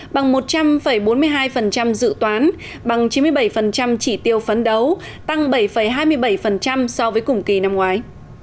bằng một trăm linh bốn mươi hai dự toán bằng chín mươi bảy chỉ tiêu phấn đấu tăng bảy hai mươi bảy so với cùng kỳ năm ngoái